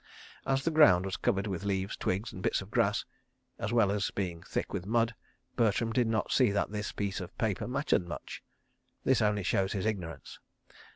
As the ground was covered with leaves, twigs, and bits of grass, as well as being thick with mud, Bertram did not see that this piece of paper mattered much. This only shows his ignorance.